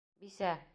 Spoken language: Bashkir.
Бисә.